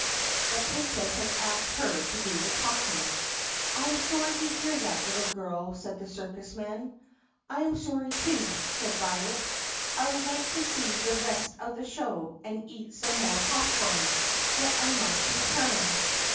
(The Princess had asked her to do the talking.) "I am sorry to hear that, little girl," said the circus man. "I am sorry too," said Violet. "I would like to see the rest of the show and eat some more popcorn, but I must return."